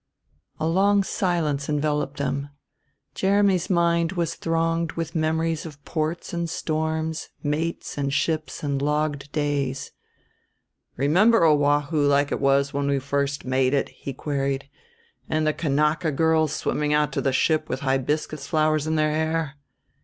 A long silence enveloped them. Jeremy's mind was thronged with memories of ports and storms, mates and ships and logged days. "Remember Oahu like it was when we first made it," he queried, "and the Kanaka girls swimming out to the ship with hybiscus flowers in their hair?